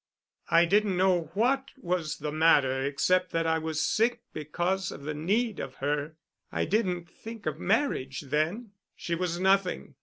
I didn't know what was the matter except that I was sick because of the need of her. I didn't think of marriage then. She was nothing.